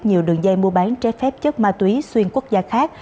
nhiều đường dây mua bán trái phép chất ma túy xuyên quốc gia khác